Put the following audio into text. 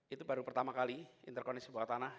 itu baru pertama kali interkoneksi bawah tanah